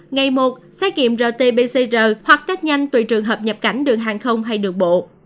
ngày một xét nghiệm rt pcr hoặc test nhanh tùy trường hợp nhập cảnh đường hàng không hay đường bộ